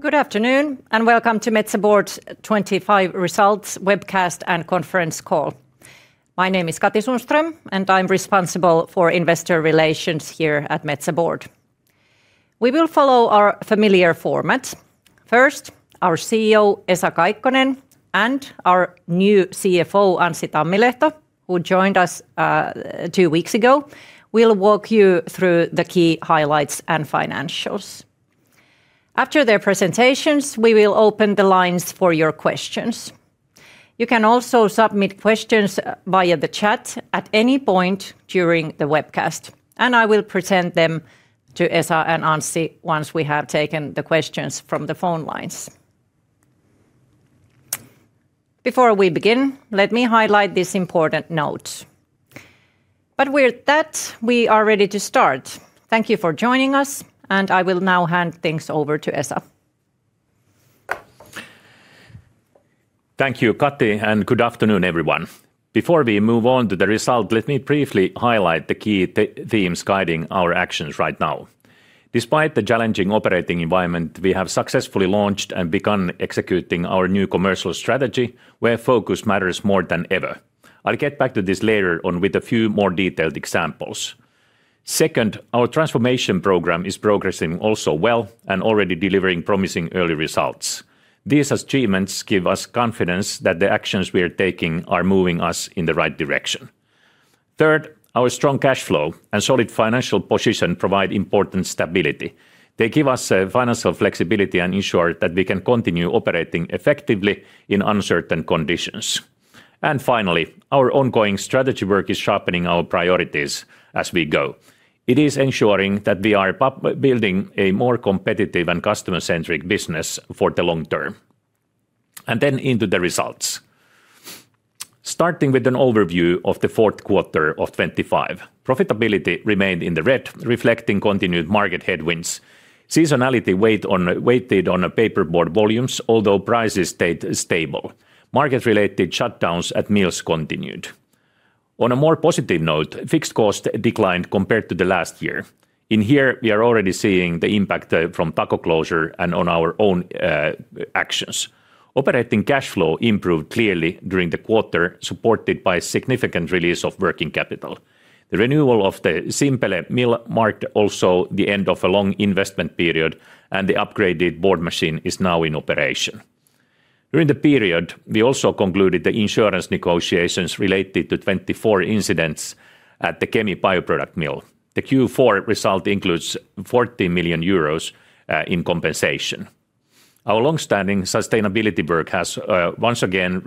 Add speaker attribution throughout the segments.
Speaker 1: Good afternoon, and welcome to Metsä Board's 2025 results webcast and conference call. My name is Katri Sundström, and I'm responsible for investor relations here at Metsä Board. We will follow our familiar format. First, our CEO, Esa Kaikkonen, and our new CFO, Anssi Tammilehto, who joined us two weeks ago, will walk you through the key highlights and financials. After their presentations, we will open the lines for your questions. You can also submit questions via the chat at any point during the webcast, and I will present them to Esa and Anssi once we have taken the questions from the phone lines. Before we begin, let me highlight this important note. With that, we are ready to start. Thank you for joining us, and I will now hand things over to Esa.
Speaker 2: Thank you, Katri, and good afternoon, everyone. Before we move on to the result, let me briefly highlight the key themes guiding our actions right now. Despite the challenging operating environment, we have successfully launched and begun executing our new commercial strategy, where focus matters more than ever. I'll get back to this later on with a few more detailed examples. Second, our transformation program is progressing also well and already delivering promising early results. These achievements give us confidence that the actions we are taking are moving us in the right direction. Third, our strong cash flow and solid financial position provide important stability. They give us, financial flexibility and ensure that we can continue operating effectively in uncertain conditions. And finally, our ongoing strategy work is sharpening our priorities as we go. It is ensuring that we are building a more competitive and customer-centric business for the long term. Then into the results. Starting with an overview of the fourth quarter of 2025, profitability remained in the red, reflecting continued market headwinds. Seasonality weighted on paperboard volumes, although prices stayed stable. Market-related shutdowns at mills continued. On a more positive note, fixed cost declined compared to the last year. In here, we are already seeing the impact from Tako closure and on our own actions. Operating cash flow improved clearly during the quarter, supported by significant release of working capital. The renewal of the Simpele mill marked also the end of a long investment period, and the upgraded board machine is now in operation. During the period, we also concluded the insurance negotiations related to 2024 incidents at the Kemi Bioproduct Mill. The Q4 result includes 40 million euros in compensation. Our long-standing sustainability work has once again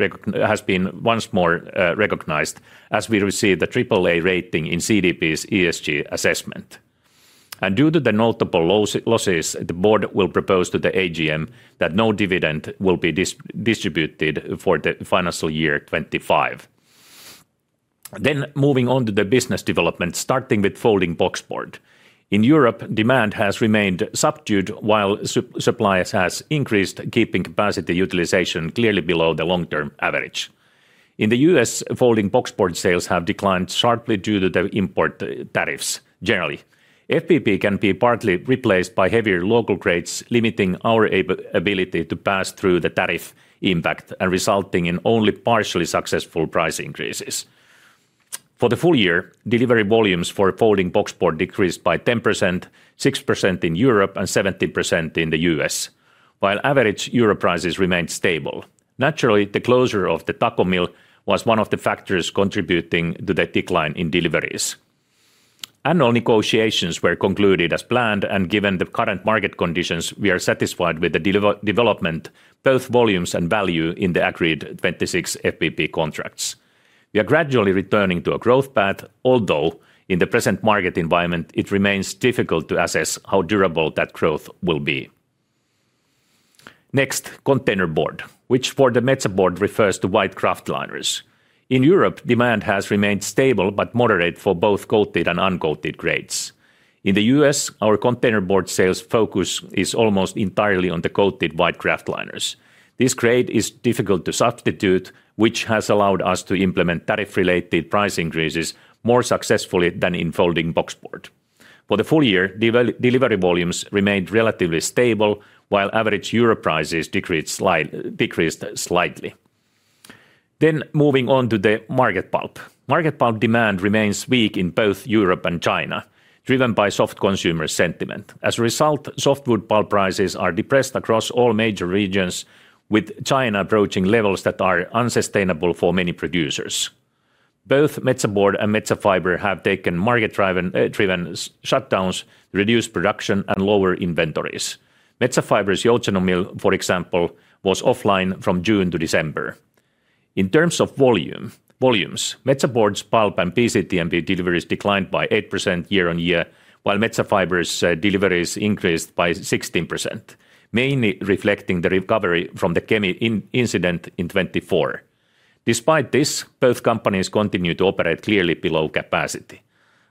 Speaker 2: been once more recognized as we receive the AAA rating in CDP's ESG assessment. Due to the notable losses, the board will propose to the AGM that no dividend will be distributed for the financial year 2025. Moving on to the business development, starting with folding boxboard. In Europe, demand has remained subdued while supply has increased, keeping capacity utilization clearly below the long-term average. In the U.S., folding boxboard sales have declined sharply due to the import tariffs, generally. FBB can be partly replaced by heavier local grades, limiting our ability to pass through the tariff impact and resulting in only partially successful price increases. For the full year, delivery volumes for folding boxboard decreased by 10%, 6% in Europe and 17% in the U.S., while average euro prices remained stable. Naturally, the closure of the Tako mill was one of the factors contributing to the decline in deliveries. Annual negotiations were concluded as planned, and given the current market conditions, we are satisfied with the delivery development, both volumes and value, in the agreed 2026 FBB contracts. We are gradually returning to a growth path, although in the present market environment, it remains difficult to assess how durable that growth will be. Next, containerboard, which for Metsä Board refers to white kraft liners. In Europe, demand has remained stable but moderate for both coated and uncoated grades. In the U.S., our containerboard sales focus is almost entirely on the coated white kraft liners. This grade is difficult to substitute, which has allowed us to implement tariff-related price increases more successfully than in folding boxboard. For the full year, delivery volumes remained relatively stable, while average euro prices decreased slightly. Then moving on to the market pulp. Market pulp demand remains weak in both Europe and China, driven by soft consumer sentiment. As a result, softwood pulp prices are depressed across all major regions, with China approaching levels that are unsustainable for many producers. Both Metsä Board and Metsä Fibre have taken market-driven shutdowns, reduced production, and lower inventories. Metsä Fibre's Joutseno Mill, for example, was offline from June to December. In terms of volumes, Metsä Board's pulp and BCTMP deliveries declined by 8% year-on-year, while Metsä Fibre's deliveries increased by 16%, mainly reflecting the recovery from the Kemi incident in 2024. Despite this, both companies continue to operate clearly below capacity.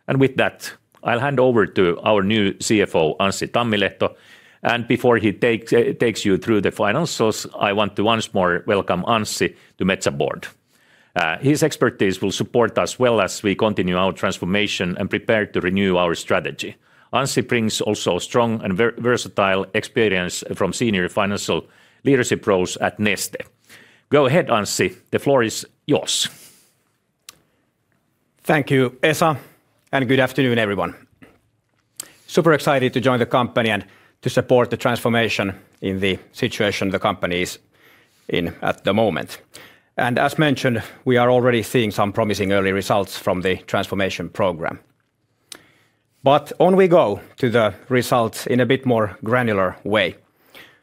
Speaker 2: And with that, I'll hand over to our new CFO, Anssi Tammilehto, and before he takes you through the financials, I want to once more welcome Anssi to Metsä Board. His expertise will support us well as we continue our transformation and prepare to renew our strategy. Anssi brings also strong and versatile experience from senior financial leadership roles at Neste. Go ahead, Anssi, the floor is yours.
Speaker 3: Thank you, Esa, and good afternoon, everyone. Super excited to join the company and to support the transformation in the situation the company is in at the moment. As mentioned, we are already seeing some promising early results from the transformation program. But on we go to the results in a bit more granular way.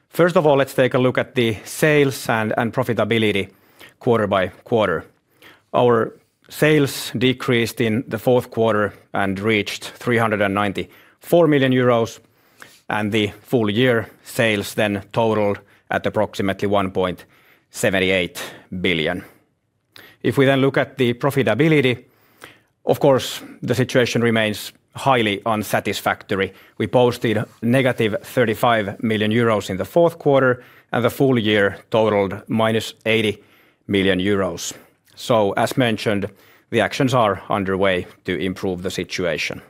Speaker 3: First of all, let's take a look at the sales and profitability quarter by quarter. Our sales decreased in the fourth quarter and reached 394 million euros, and the full year sales then totaled at approximately 1.78 billion. If we then look at the profitability, of course, the situation remains highly unsatisfactory. We posted -35 million euros in the fourth quarter, and the full year totaled -80 million euros. As mentioned, the actions are underway to improve the situation.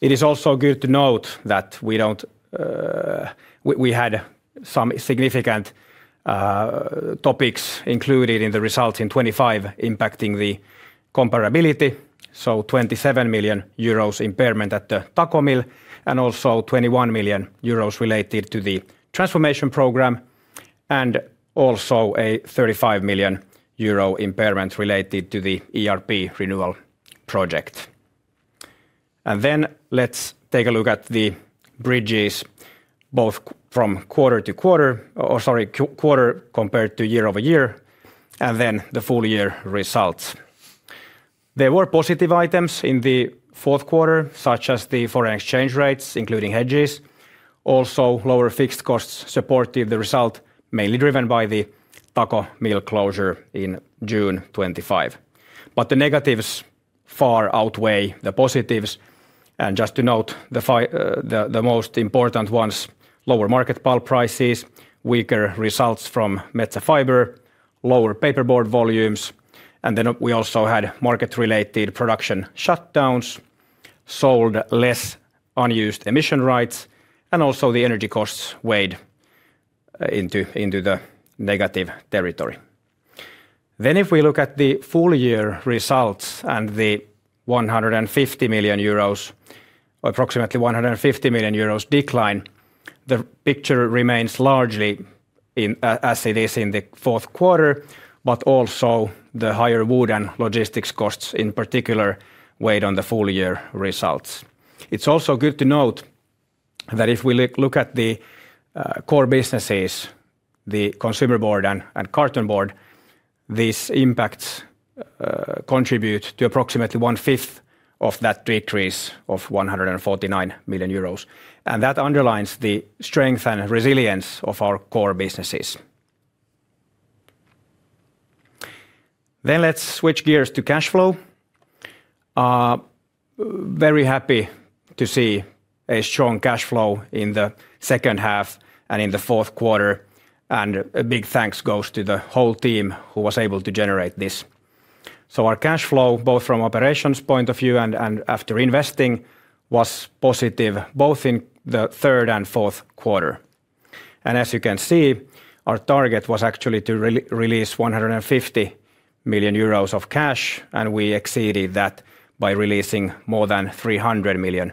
Speaker 3: It is also good to note that we don't. We had some significant topics included in the results in 2025 impacting the comparability, so 27 million euros impairment at the Tako Mill, and also 21 million euros related to the transformation program, and also a 35 million euro impairment related to the ERP renewal project. Then let's take a look at the bridges, both from quarter-to-quarter, or sorry, quarter compared to year-over-year, and then the full year results. There were positive items in the fourth quarter, such as the foreign exchange rates, including hedges. Also, lower fixed costs supported the result, mainly driven by the Tako Mill closure in June 2025. But the negatives far outweigh the positives, and just to note, the most important ones: lower market pulp prices, weaker results from Metsä Fibre, lower paperboard volumes, and then we also had market-related production shutdowns, sold less unused emission rights, and also the energy costs weighed into the negative territory. Then if we look at the full year results and the 150 million euros, or approximately 150 million euros decline, the picture remains largely in, as it is in the fourth quarter, but also the higher wood and logistics costs in particular weighed on the full year results. It's also good to note that if we look at the core businesses, the consumer board and carton board, these impacts contribute to approximately 1/5 of that decrease of 149 million euros, and that underlines the strength and resilience of our core businesses. Then let's switch gears to cash flow. Very happy to see a strong cash flow in the second half and in the fourth quarter, and a big thanks goes to the whole team who was able to generate this. So our cash flow, both from operations point of view and after investing, was positive both in the third and fourth quarter. As you can see, our target was actually to release 150 million euros of cash, and we exceeded that by releasing more than 300 million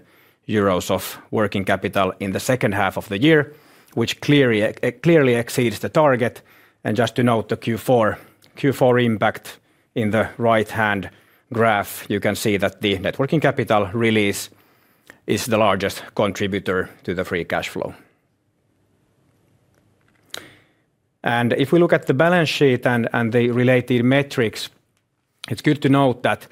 Speaker 3: euros of working capital in the second half of the year, which clearly, clearly exceeds the target. Just to note, the Q4, Q4 impact in the right-hand graph, you can see that the net working capital release is the largest contributor to the free cash flow. If we look at the balance sheet and the related metrics, it's good to note that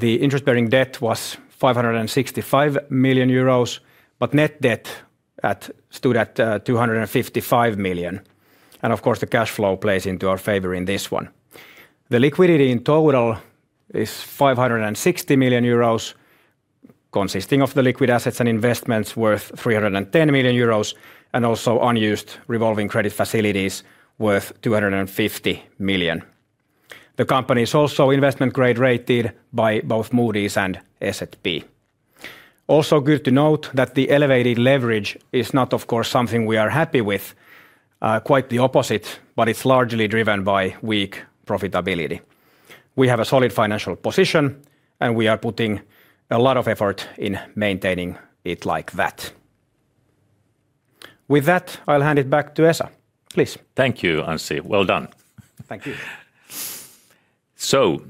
Speaker 3: the interest-bearing debt was 565 million euros, but net debt stood at 255 million, and of course, the cash flow plays into our favor in this one. The liquidity in total is 560 million euros, consisting of the liquid assets and investments worth 310 million euros, and also unused revolving credit facilities worth 250 million. The company is also investment grade rated by both Moody's and S&P. Also good to note that the elevated leverage is not, of course, something we are happy with, quite the opposite, but it's largely driven by weak profitability. We have a solid financial position, and we are putting a lot of effort in maintaining it like that. With that, I'll hand it back to Esa. Please.
Speaker 2: Thank you, Anssi. Well done.
Speaker 3: Thank you.
Speaker 2: So,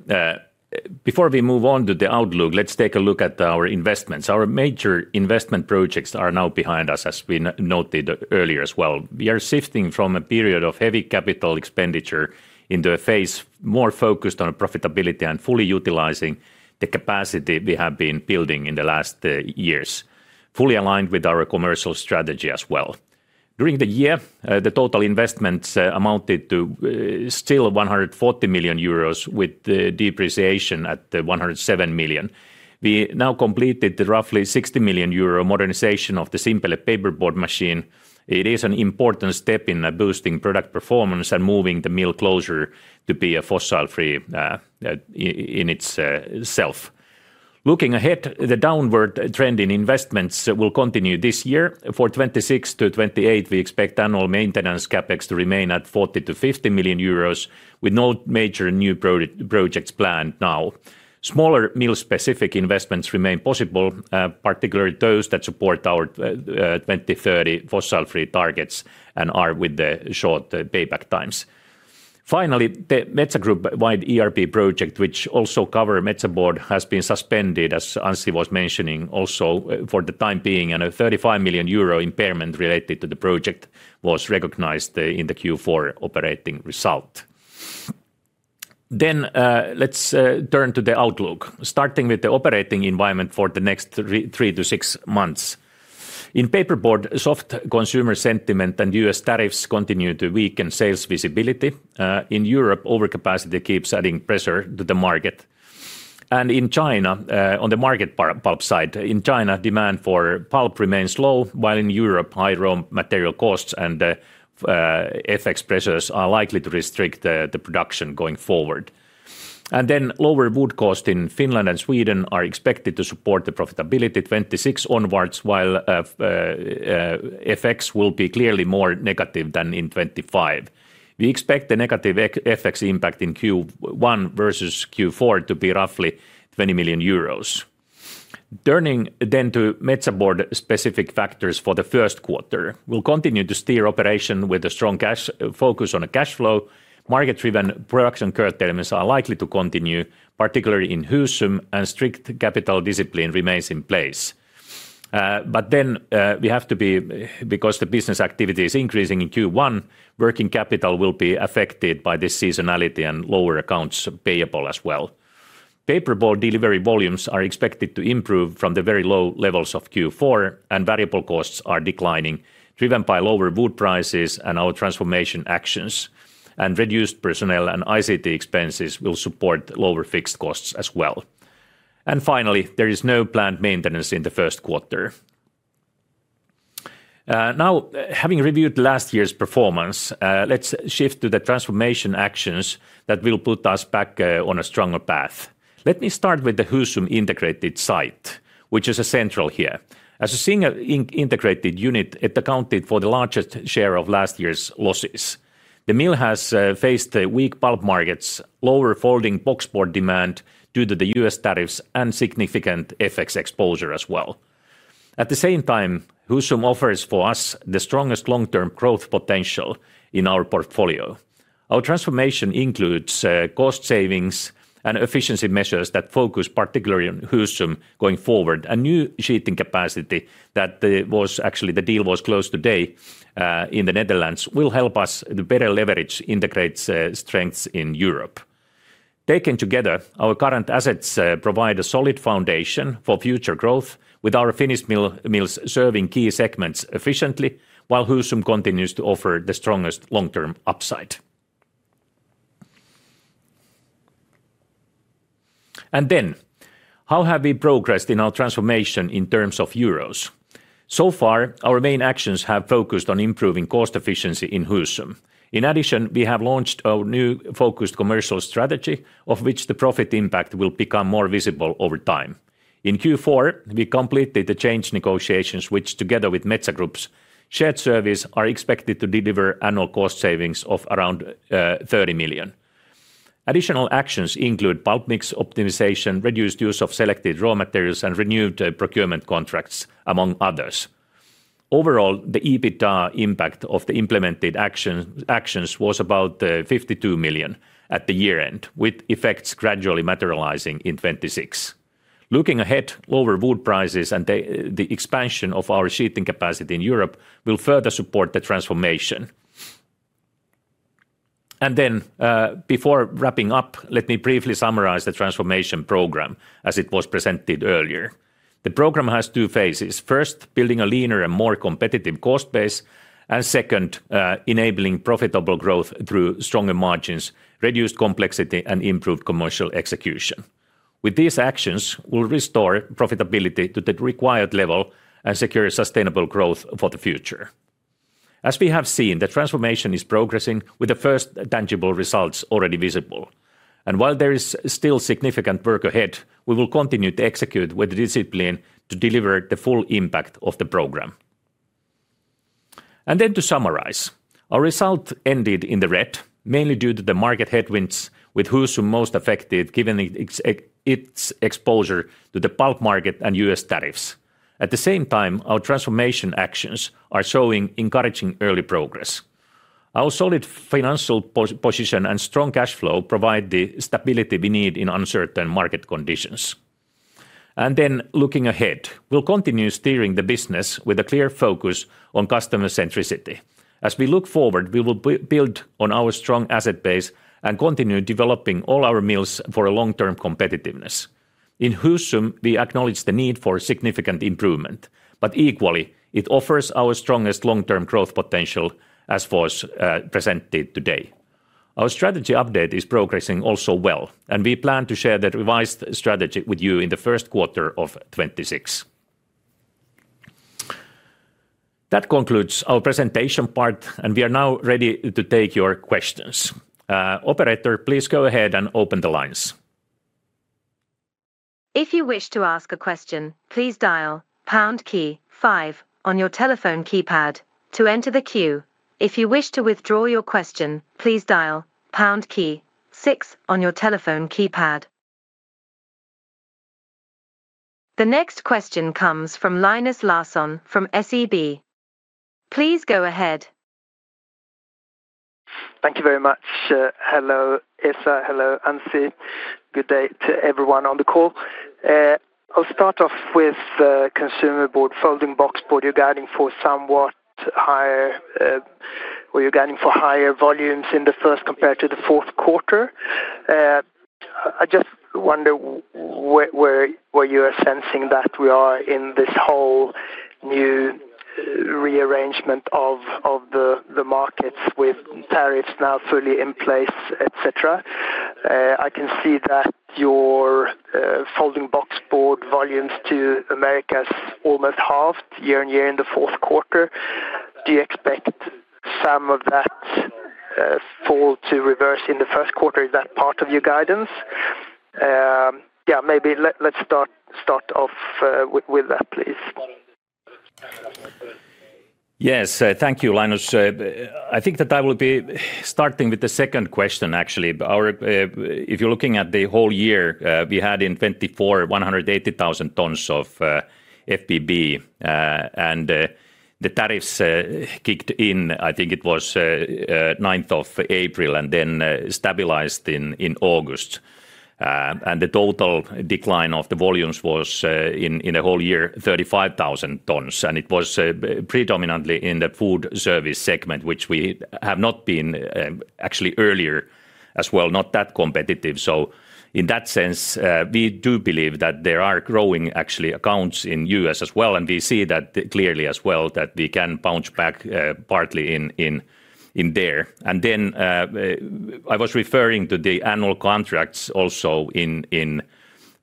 Speaker 2: before we move on to the outlook, let's take a look at our investments. Our major investment projects are now behind us, as we noted earlier as well. We are shifting from a period of heavy capital expenditure into a phase more focused on profitability and fully utilizing the capacity we have been building in the last years, fully aligned with our commercial strategy as well. During the year, the total investments amounted to still 140 million euros with the depreciation at 107 million. We now completed the roughly 60 million euro modernization of the Simpele paperboard machine. It is an important step in boosting product performance and moving the mill closer to be a fossil-free in its self. Looking ahead, the downward trend in investments will continue this year. For 2026-2028, we expect annual maintenance CapEx to remain at 40 million-50 million euros, with no major new projects planned now. Smaller mill-specific investments remain possible, particularly those that support our 2030 fossil-free targets and are with the short payback times. Finally, the Metsä Group-wide ERP project, which also cover Metsä Board, has been suspended, as Anssi was mentioning also, for the time being, and a 35 million euro impairment related to the project was recognized in the Q4 operating result. Let's turn to the outlook, starting with the operating environment for the next three to six months. In paperboard, soft consumer sentiment and U.S. tariffs continue to weaken sales visibility. In Europe, overcapacity keeps adding pressure to the market. In China, on the market pulp side, in China, demand for pulp remains low, while in Europe, high raw material costs and FX pressures are likely to restrict the production going forward. Lower wood cost in Finland and Sweden are expected to support the profitability 2026 onwards, while FX will be clearly more negative than in 2025. We expect the negative FX impact in Q1 versus Q4 to be roughly 20 million euros. Turning to Metsä Board-specific factors for the first quarter, we'll continue to steer operation with a strong cash focus on a cash flow. Market-driven production curtailments are likely to continue, particularly in Husum, and strict capital discipline remains in place. We have to be. Because the business activity is increasing in Q1, working capital will be affected by this seasonality and lower accounts payable as well. Paperboard delivery volumes are expected to improve from the very low levels of Q4, and variable costs are declining, driven by lower wood prices and our transformation actions. And reduced personnel and ICT expenses will support lower fixed costs as well. And finally, there is no planned maintenance in the first quarter. Now, having reviewed last year's performance, let's shift to the transformation actions that will put us back on a stronger path. Let me start with the Husum integrated site, which is a central here. As a single integrated unit, it accounted for the largest share of last year's losses. The mill has faced the weak pulp markets, lower folding boxboard demand due to the US tariffs, and significant FX exposure as well. At the same time, Husum offers, for us, the strongest long-term growth potential in our portfolio. Our transformation includes cost savings and efficiency measures that focus particularly on Husum going forward. A new sheeting capacity. Actually, the deal was closed today in the Netherlands, will help us the better leverage integrate strengths in Europe. Taken together, our current assets provide a solid foundation for future growth with our Finnish mills serving key segments efficiently, while Husum continues to offer the strongest long-term upside. And then, how have we progressed in our transformation in terms of euros? So far, our main actions have focused on improving cost efficiency in Husum. In addition, we have launched our new focused commercial strategy, of which the profit impact will become more visible over time. In Q4, we completed the change negotiations, which, together with Metsä Group's shared service, are expected to deliver annual cost savings of around 30 million. Additional actions include pulp mix optimization, reduced use of selected raw materials, and renewed procurement contracts, among others. Overall, the EBITDA impact of the implemented actions was about 52 million at the year-end, with effects gradually materializing in 2026. Looking ahead, lower wood prices and the expansion of our sheeting capacity in Europe will further support the transformation. Then, before wrapping up, let me briefly summarize the transformation program as it was presented earlier. The program has two phases: first, building a leaner and more competitive cost base, and second, enabling profitable growth through stronger margins, reduced complexity, and improved commercial execution. With these actions, we'll restore profitability to the required level and secure sustainable growth for the future. As we have seen, the transformation is progressing with the first tangible results already visible. While there is still significant work ahead, we will continue to execute with discipline to deliver the full impact of the program. Then to summarize, our result ended in the red, mainly due to the market headwinds, with Husum most affected, given its exposure to the pulp market and U.S. tariffs. At the same time, our transformation actions are showing encouraging early progress. Our solid financial position and strong cash flow provide the stability we need in uncertain market conditions. Then, looking ahead, we'll continue steering the business with a clear focus on customer centricity. As we look forward, we will build on our strong asset base and continue developing all our mills for a long-term competitiveness. In Husum, we acknowledge the need for significant improvement, but equally, it offers our strongest long-term growth potential as was presented today. Our strategy update is progressing also well, and we plan to share that revised strategy with you in the first quarter of 2026. That concludes our presentation part, and we are now ready to take your questions. Operator, please go ahead and open the lines.
Speaker 4: If you wish to ask a question, please dial pound key five on your telephone keypad to enter the queue. If you wish to withdraw your question, please dial pound key six on your telephone keypad. The next question comes from Linus Larsson from SEB. Please go ahead.
Speaker 5: Thank you very much. Hello, Esa. Hello, Anssi. Good day to everyone on the call. I'll start off with consumer board, folding boxboard. You're guiding for somewhat higher. Well, you're guiding for higher volumes in the first compared to the fourth quarter. I just wonder where you are sensing that we are in this whole new rearrangement of the markets with tariffs now fully in place, et cetera. I can see that your folding boxboard volumes to Americas almost halved year-on-year in the fourth quarter. Do you expect some of that fall to reverse in the first quarter? Is that part of your guidance? Yeah, maybe let's start off with that, please.
Speaker 2: Yes, thank you, Linus. I think that I will be starting with the second question, actually. If you're looking at the whole year, we had in 2024, 180,000 tons of FBB. And the tariffs kicked in, I think it was 9th of April, and then stabilized in August. And the total decline of the volumes was in a whole year, 35,000 tons, and it was predominantly in the food service segment, which we have not been, actually earlier as well, not that competitive. So in that sense, we do believe that there are growing, actually, accounts in U.S. as well, and we see that clearly as well, that we can bounce back, partly in there. And then, I was referring to the annual contracts also in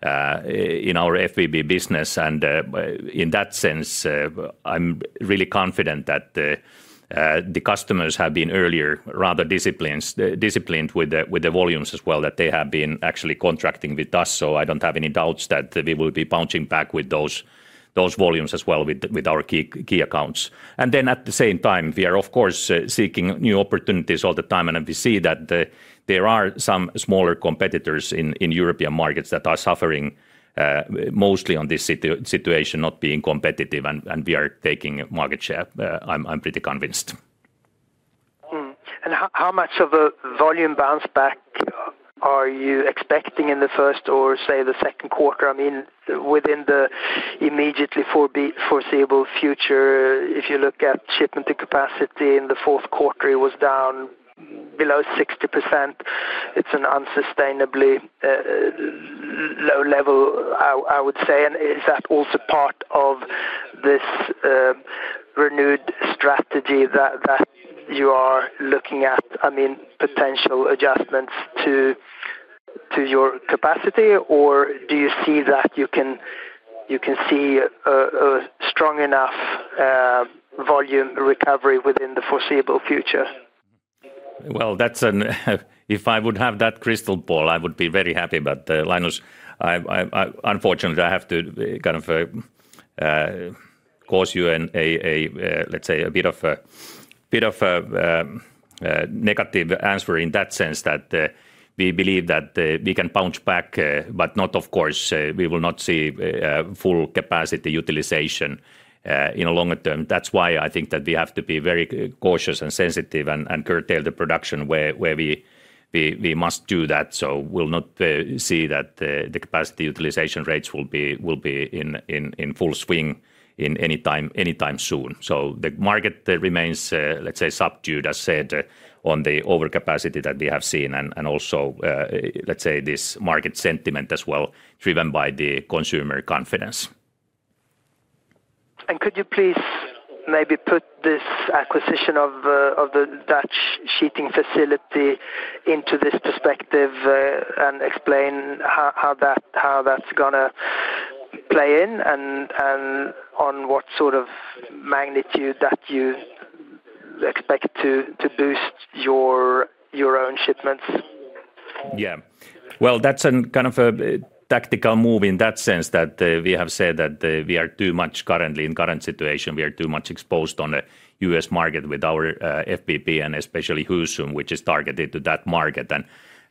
Speaker 2: our FBB business, and in that sense, I'm really confident that the customers have been rather disciplined with the volumes as well, that they have been actually contracting with us. So I don't have any doubts that we will be bouncing back with those volumes as well with our key accounts. And then at the same time, we are of course seeking new opportunities all the time, and we see that there are some smaller competitors in European markets that are suffering, mostly on this situation, not being competitive, and we are taking market share. I'm pretty convinced.
Speaker 5: Mm-hmm. And how much of a volume bounce back are you expecting in the first or, say, the second quarter? I mean, within the immediately foreseeable future, if you look at shipment to capacity in the fourth quarter, it was down below 60%. It's an unsustainably low level, I would say. And is that also part of this renewed strategy that you are looking at, I mean, potential adjustments to your capacity? Or do you see that you can see a strong enough volume recovery within the foreseeable future?
Speaker 2: Well, if I would have that crystal ball, I would be very happy. But, Linus, unfortunately, I have to kind of cause you a, let's say, a bit of a negative answer in that sense, that we believe that we can bounce back, but not of course, we will not see full capacity utilization in the longer term. That's why I think that we have to be very cautious and sensitive and curtail the production where we must do that. So we'll not see that the capacity utilization rates will be in full swing anytime soon. So the market remains, let's say, subdued, as said, on the overcapacity that we have seen and, and also, let's say, this market sentiment as well, driven by the consumer confidence.
Speaker 5: Could you please maybe put this acquisition of the Dutch sheeting facility into this perspective, and explain how that's gonna play in, and on what sort of magnitude that you expect to boost your own shipments?
Speaker 2: Yeah. Well, that's a kind of a tactical move in that sense, that we have said that we are too much currently, in current situation, we are too much exposed on the U.S. market with our FBB and especially Husum, which is targeted to that market.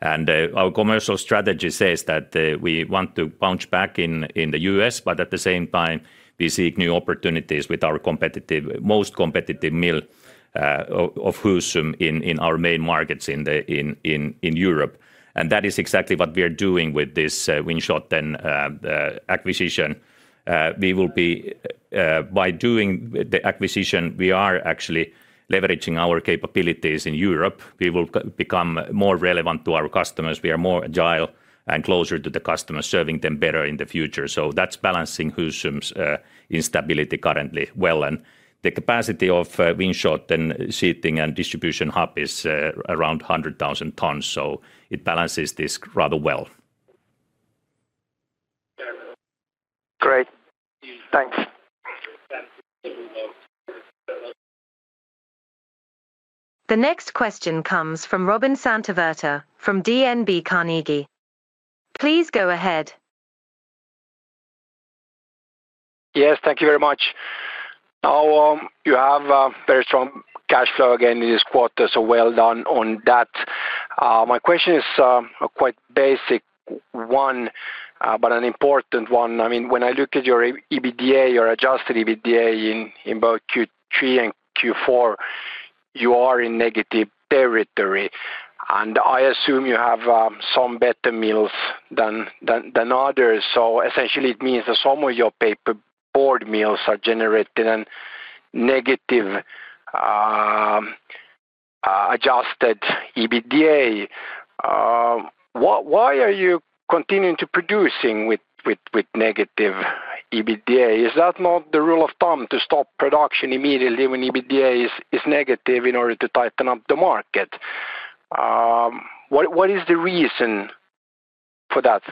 Speaker 2: And our commercial strategy says that we want to bounce back in the U.S., but at the same time, we seek new opportunities with our most competitive mill of Husum in our main markets in Europe. And that is exactly what we are doing with this Winschoten acquisition. We will be. By doing the acquisition, we are actually leveraging our capabilities in Europe. We will become more relevant to our customers. We are more agile and closer to the customers, serving them better in the future. So that's balancing Husum's instability currently well. And the capacity of Winschoten and sheeting and distribution hub is around 100,000 tons, so it balances this rather well.
Speaker 5: Great. Thanks.
Speaker 4: The next question comes from Robin Santavirta from DNB Carnegie. Please go ahead.
Speaker 6: Yes, thank you very much. Now, you have a very strong cash flow again in this quarter, so well done on that. My question is, a quite basic one, but an important one. I mean, when I look at your EBITDA, your adjusted EBITDA in both Q3 and Q4, you are in negative territory, and I assume you have some better mills than others. So essentially it means that some of your paperboard mills are generating a negative adjusted EBITDA. Why are you continuing to producing with negative EBITDA? Is that not the rule of thumb, to stop production immediately when EBITDA is negative in order to tighten up the market? What is the reason for that?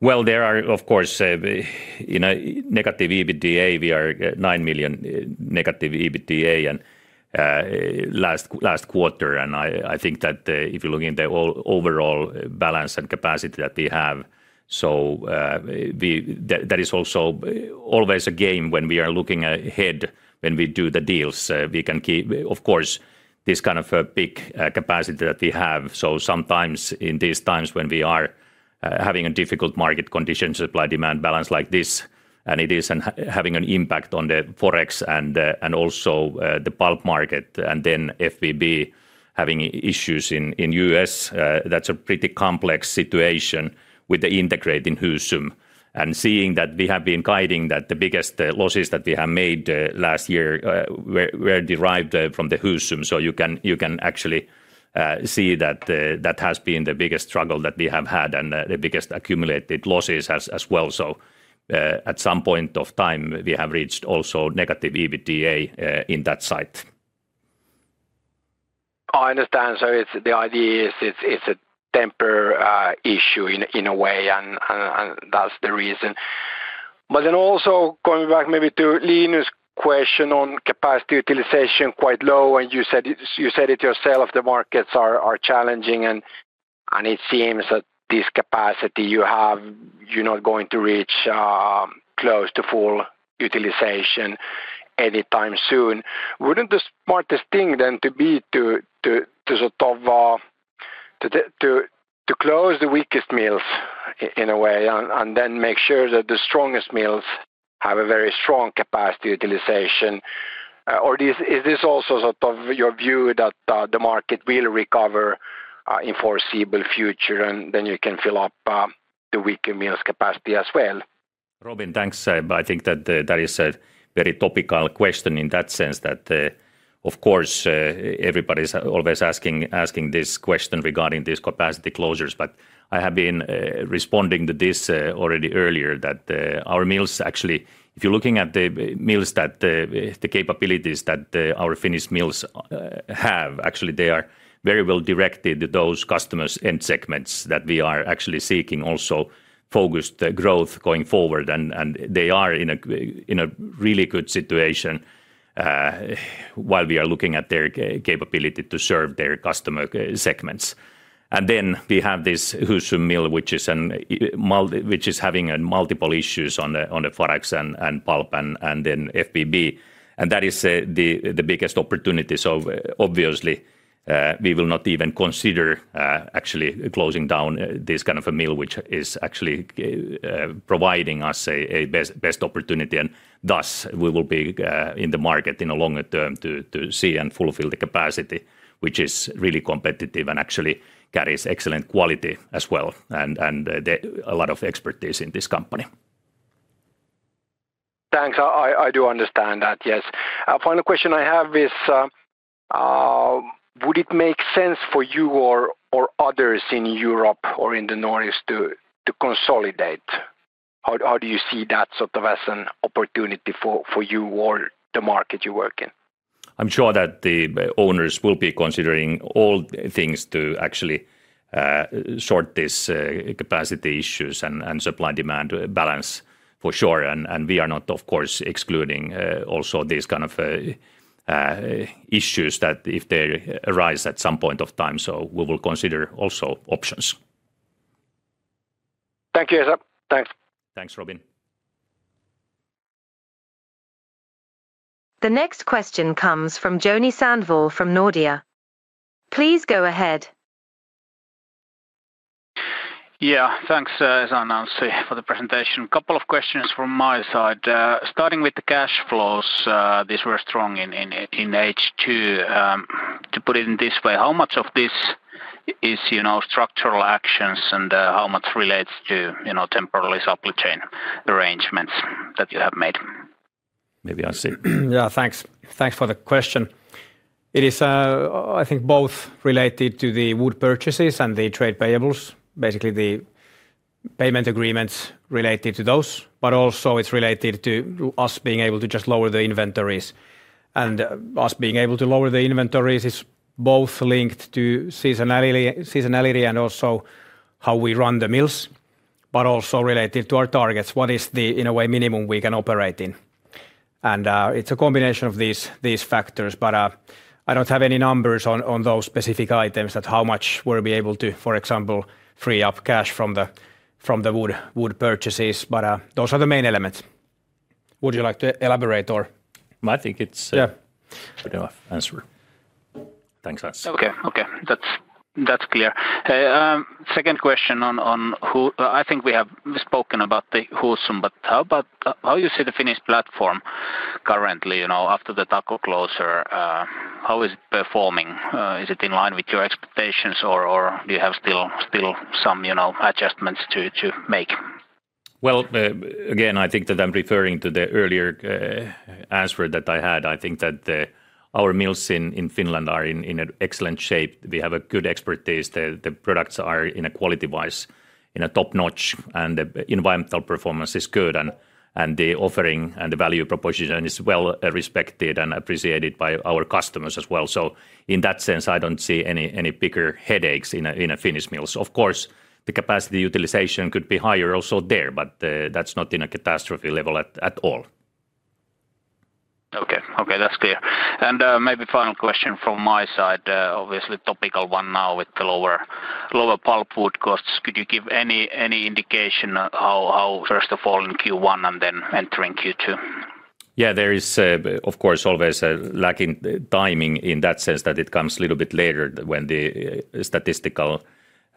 Speaker 2: Well, there are of course in a negative EBITDA, we are 9 million negative EBITDA, and last quarter, and I think that if you're looking at the overall balance and capacity that we have, so that is also always a game when we are looking ahead when we do the deals. We can keep, of course, this kind of a big capacity that we have. So sometimes in these times when we are having difficult market conditions, supply-demand balance like this, and it is having an impact on the Forex and also the pulp market, and then FBB having issues in the U.S., that's a pretty complex situation with the integrating Husum. Seeing that we have been guiding, that the biggest losses that we have made last year were derived from the Husum. So you can actually see that that has been the biggest struggle that we have had, and the biggest accumulated losses as well. So at some point of time, we have reached also negative EBITDA in that site.
Speaker 6: I understand. So the idea is it's a temporary issue in a way, and that's the reason. But then also going back maybe to Linus' question on capacity utilization quite low, and you said it yourself, the markets are challenging and it seems that this capacity you have, you're not going to reach close to full utilization anytime soon. Wouldn't the smartest thing then to be to sort of close the weakest mills in a way, and then make sure that the strongest mills have a very strong capacity utilization? Or is this also sort of your view that the market will recover in foreseeable future, and then you can fill up the weaker mills capacity as well?
Speaker 2: Robin, thanks. But I think that that is a very topical question in that sense, that, of course, everybody's always asking this question regarding these capacity closures. But I have been responding to this already earlier, that, our mills, actually, if you're looking at the mills that the capabilities that the our Finnish mills have, actually they are very well directed to those customers end segments that we are actually seeking also focused growth going forward. And they are in a really good situation, while we are looking at their capability to serve their customer segments. And then we have this Husum mill, which is having multiple issues on the Forex and pulp and then FBB, and that is the biggest opportunity. So obviously, we will not even consider, actually closing down, this kind of a mill, which is actually providing us a best, best opportunity, and thus we will be in the market in a longer term to see and fulfill the capacity, which is really competitive and actually carries excellent quality as well, and the, a lot of expertise in this company.
Speaker 6: Thanks. I do understand that, yes. Final question I have is, would it make sense for you or others in Europe or in the Nordics to consolidate? How do you see that sort of as an opportunity for you or the market you work in?
Speaker 2: I'm sure that the owners will be considering all things to actually sort this capacity issues and, and we are not, of course, excluding also these kind of issues that if they arise at some point of time, so we will consider also options.
Speaker 6: Thank you, Esa. Thanks.
Speaker 2: Thanks, Robin.
Speaker 4: The next question comes from Joni Sandvall from Nordea. Please go ahead.
Speaker 7: Yeah. Thanks, Esa and Anssi, for the presentation. A couple of questions from my side. Starting with the cash flows, these were strong in H2. To put it in this way, how much of this is, you know, structural actions, and how much relates to, you know, temporary supply chain arrangements that you have made?
Speaker 2: Maybe Anssi.
Speaker 3: Yeah, thanks. Thanks for the question. It is, I think both related to the wood purchases and the trade payables, basically the payment agreements related to those, but also it's related to us being able to just lower the inventories. And us being able to lower the inventories is both linked to seasonality, seasonality and also how we run the mills, but also related to our targets. What is the, in a way, minimum we can operate in? And it's a combination of these, these factors, but I don't have any numbers on those specific items, that how much we'll be able to, for example, free up cash from the wood purchases, but those are the main elements. Would you like to elaborate or-
Speaker 2: I think it's.
Speaker 3: Yeah
Speaker 2: Good enough answer. Thanks, Anssi.
Speaker 7: Okay, okay, that's, that's clear. Second question on who... I think we have spoken about the Husum, but how about how you see the Finnish platform currently, you know, after the Tako closure, how is it performing? Is it in line with your expectations, or do you have still some, you know, adjustments to make?
Speaker 2: Well, again, I think that I'm referring to the earlier answer that I had. I think that our mills in Finland are in an excellent shape. We have a good expertise. The products are, in a quality-wise, you know, top-notch, and the environmental performance is good, and the offering and the value proposition is well-respected and appreciated by our customers as well. So in that sense, I don't see any bigger headaches in a Finnish mills. Of course, the capacity utilization could be higher also there, but that's not in a catastrophe level at all.
Speaker 7: Okay. Okay, that's clear. And, maybe final question from my side, obviously topical one now with the lower, lower pulp wood costs. Could you give any indication how, first of all, in Q1 and then entering Q2?
Speaker 2: Yeah, there is, of course, always a lagging timing in that sense that it comes a little bit later when the statistical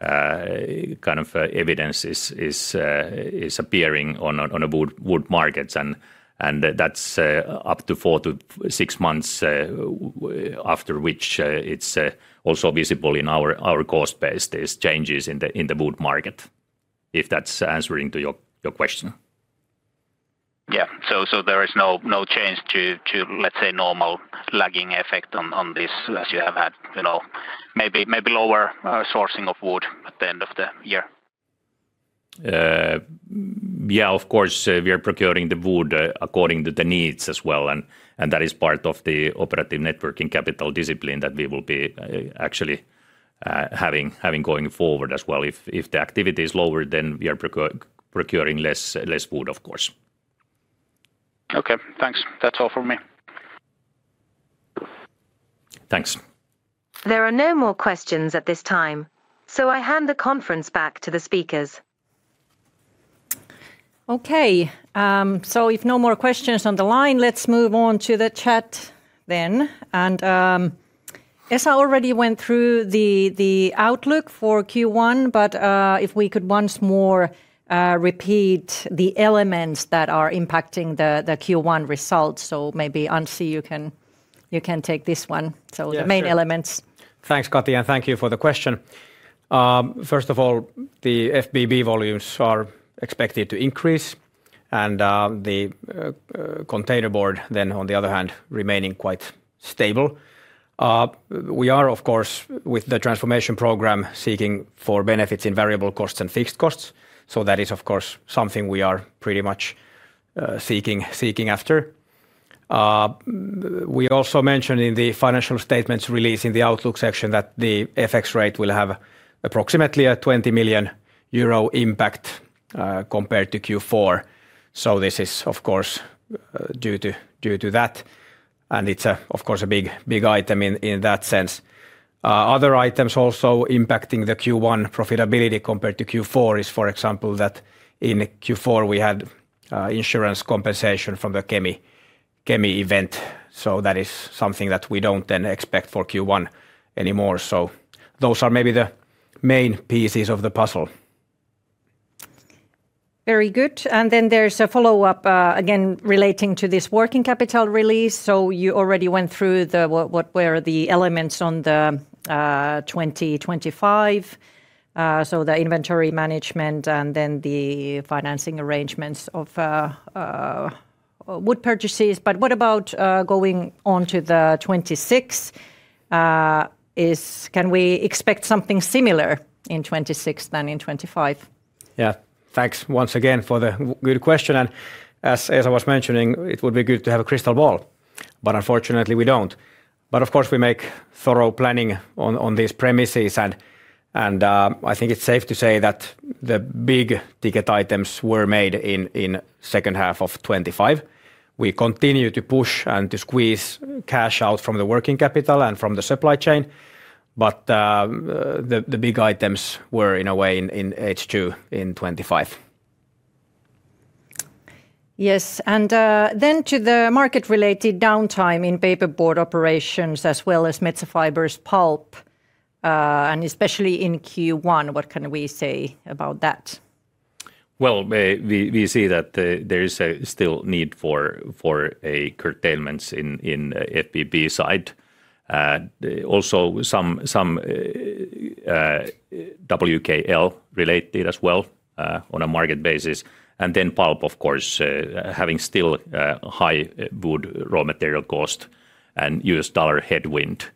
Speaker 2: kind of evidence is appearing in the wood markets. And that's up to 4-6 months after which it's also visible in our cost base, these changes in the wood market. If that's answering your question.
Speaker 7: Yeah. So there is no change to, let's say, normal lagging effect on this, as you have had, you know, maybe lower sourcing of wood at the end of the year?
Speaker 2: Yeah, of course, we are procuring the wood according to the needs as well, and that is part of the operative networking capital discipline that we will be actually having going forward as well. If the activity is lower, then we are procuring less wood, of course.
Speaker 7: Okay, thanks. That's all from me.
Speaker 2: Thanks.
Speaker 4: There are no more questions at this time, so I hand the conference back to the speakers.
Speaker 1: Okay, so if no more questions on the line, let's move on to the chat then. Esa already went through the outlook for Q1, but if we could once more repeat the elements that are impacting the Q1 results. So maybe, Anssi, you can take this one-
Speaker 3: Yeah, sure.
Speaker 1: The main elements.
Speaker 3: Thanks, Katri, and thank you for the question. First of all, the FBB volumes are expected to increase, and the containerboard then, on the other hand, remaining quite stable. We are, of course, with the transformation program, seeking for benefits in variable costs and fixed costs, so that is, of course, something we are pretty much seeking after. We also mentioned in the financial statements release in the outlook section that the FX rate will have approximately a 20 million euro impact, compared to Q4, so this is, of course, due to that, and it's, of course, a big, big item in that sense. Other items also impacting the Q1 profitability compared to Q4 is, for example, that in Q4, we had insurance compensation from the Kemi event, so that is something that we don't then expect for Q1 anymore. So those are maybe the main pieces of the puzzle.
Speaker 1: Very good. And then there's a follow-up, again, relating to this working capital release. So you already went through the, what were the elements on the 2025, so the inventory management and then the financing arrangements of wood purchases. But what about going on to the 2026? Can we expect something similar in 2026 than in 2025?
Speaker 3: Yeah. Thanks once again for the good question, and as I was mentioning, it would be good to have a crystal ball, but unfortunately we don't. But of course, we make thorough planning on these premises, and I think it's safe to say that the big-ticket items were made in second half of 2025. We continue to push and to squeeze cash out from the working capital and from the supply chain, but the big items were, in a way, in H2 in 2025.
Speaker 1: Yes, and then to the market-related downtime in paperboard operations as well as Metsä Fibre's pulp, and especially in Q1, what can we say about that?
Speaker 2: Well, we see that there is still a need for curtailments in the FBB side. Also some WKL related as well, on a market basis, and then pulp, of course, still having high wood raw material cost and U.S. dollar headwind.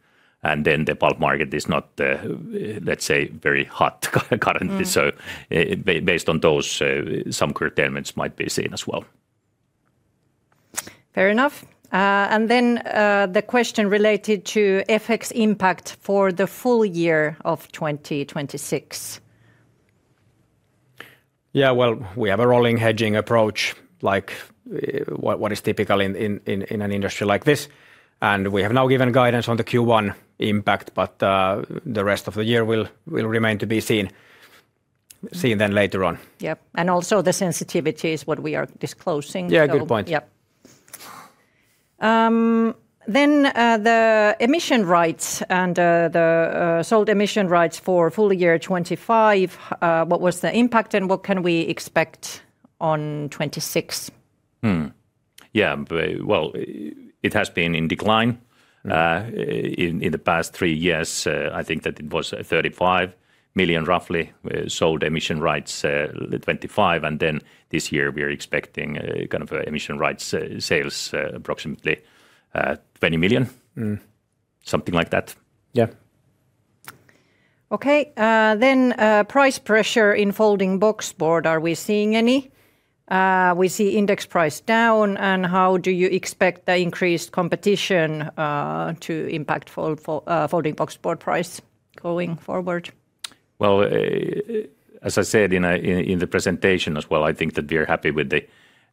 Speaker 2: And then the pulp market is not, let's say, very hot currently.
Speaker 1: Mm.
Speaker 2: So, based on those, some curtailments might be seen as well.
Speaker 1: Fair enough. And then, the question related to FX impact for the full year of 2026.
Speaker 2: Yeah, well, we have a rolling hedging approach, like, what is typical in an industry like this. And we have now given guidance on the Q1 impact, but, the rest of the year will remain to be seen then later on.
Speaker 1: Yep, and also the sensitivity is what we are disclosing.
Speaker 2: Yeah, good point.
Speaker 1: Yep. Then, the emission rights and the sold emission rights for full year 2025, what was the impact, and what can we expect on 2026?
Speaker 2: It has been in decline in the past three years. I think that it was roughly 35 million sold emission rights in 2025, and then this year we are expecting emission rights sales approximately 20 million.
Speaker 3: Mm.
Speaker 2: Something like that.
Speaker 3: Yeah.
Speaker 1: Okay, then, price pressure in Folding Boxboard, are we seeing any? We see index price down, and how do you expect the increased competition to impact Folding Boxboard price going forward?
Speaker 2: Well, as I said in the presentation as well, I think that we are happy with the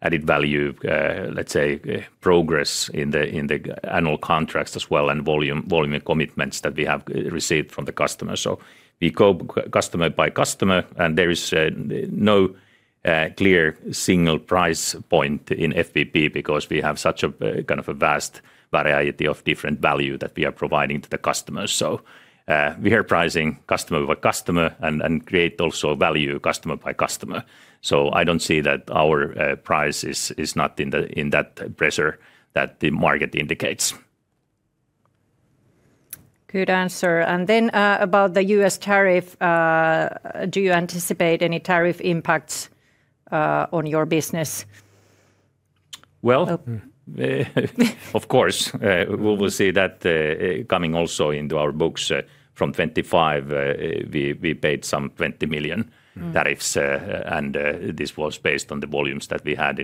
Speaker 2: added value, let's say progress in the annual contracts as well, and volume commitments that we have received from the customer. So we go customer by customer, and there is no clear single price point in FBB because we have such a kind of a vast variety of different value that we are providing to the customers. So, we are pricing customer by customer and create also value customer by customer. So I don't see that our price is not in that pressure that the market indicates.
Speaker 1: Good answer. And then, about the U.S. tariff, do you anticipate any tariff impacts on your business?
Speaker 2: Well. Of course, we will see that coming also into our books. From 2025, we paid some 20 million-
Speaker 1: Mm
Speaker 2: tariffs, and this was based on the volumes that we had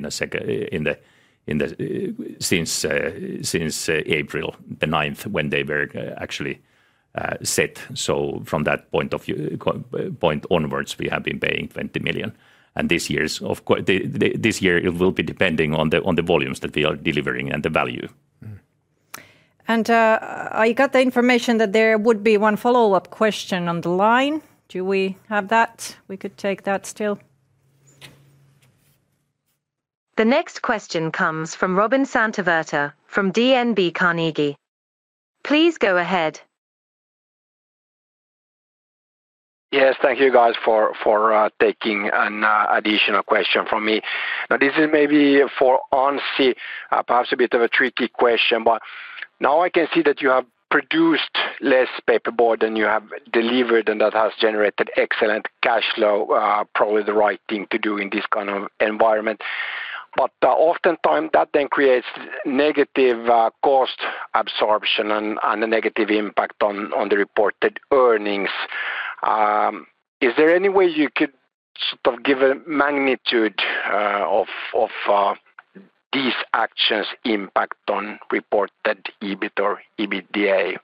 Speaker 2: since April the 9th, when they were actually set. So from that point onwards, we have been paying 20 million, and this year, of course, it will be depending on the volumes that we are delivering and the value.
Speaker 1: Mm-hmm. And, I got the information that there would be one follow-up question on the line. Do we have that? We could take that still.
Speaker 4: The next question comes from Robin Santavirta from DNB Carnegie. Please go ahead.
Speaker 6: Yes, thank you, guys, for taking an additional question from me. Now, this is maybe for Anssi, perhaps a bit of a tricky question, but now I can see that you have produced less paperboard than you have delivered, and that has generated excellent cash flow, probably the right thing to do in this kind of environment. But oftentimes that then creates negative cost absorption and a negative impact on the reported earnings. Is there any way you could sort of give a magnitude of these actions' impact on reported EBIT or EBITDA?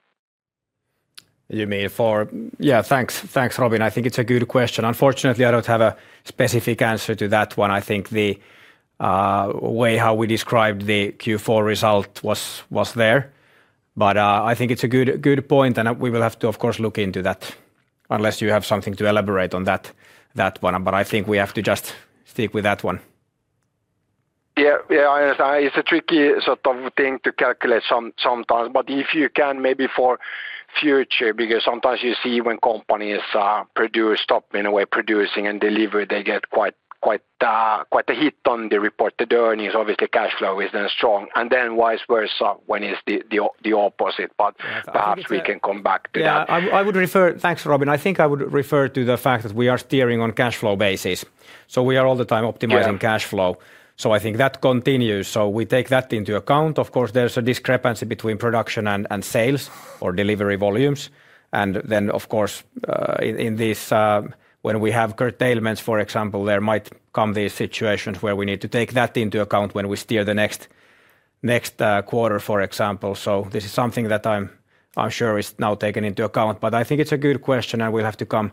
Speaker 3: You mean for. Yeah, thanks. Thanks, Robin. I think it's a good question. Unfortunately, I don't have a specific answer to that one. I think the way how we described the Q4 result was, was there, but I think it's a good, good point, and we will have to, of course, look into that. Unless you have something to elaborate on that, that one, but I think we have to just stick with that one.
Speaker 6: Yeah. Yeah, I understand. It's a tricky sort of thing to calculate sometimes, but if you can maybe for future, because sometimes you see when companies produce, stop in a way producing and deliver, they get quite a hit on the reported earnings. Obviously, cash flow is then strong, and then vice versa when it's the opposite.
Speaker 3: Yeah, I think that-
Speaker 6: But perhaps we can come back to that.
Speaker 3: Yeah, I would refer. Thanks, Robin. I think I would refer to the fact that we are steering on cash flow basis, so we are all the time optimizing-
Speaker 6: Yeah
Speaker 3: cash flow. So I think that continues, so we take that into account. Of course, there's a discrepancy between production and sales or delivery volumes. And then, of course, in this when we have curtailments, for example, there might come these situations where we need to take that into account when we steer the next quarter, for example. So this is something that I'm sure is now taken into account, but I think it's a good question, and we'll have to come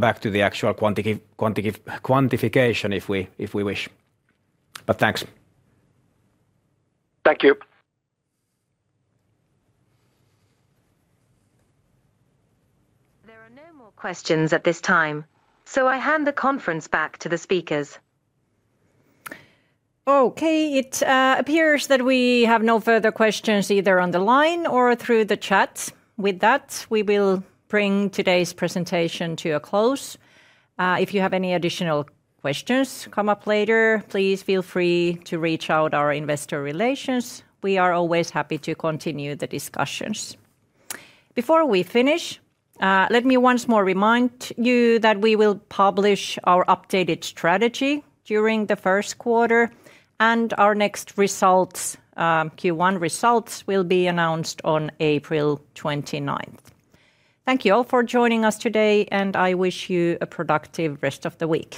Speaker 3: back to the actual quantification if we wish. But thanks.
Speaker 6: Thank you.
Speaker 4: There are no more questions at this time, so I hand the conference back to the speakers.
Speaker 1: Okay, it appears that we have no further questions either on the line or through the chat. With that, we will bring today's presentation to a close. If you have any additional questions come up later, please feel free to reach out to our investor relations. We are always happy to continue the discussions. Before we finish, let me once more remind you that we will publish our updated strategy during the first quarter, and our next results, Q1 results, will be announced on April 29th. Thank you all for joining us today, and I wish you a productive rest of the week.